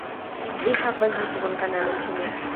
Vi havas jutuban kanalon ĉu ne?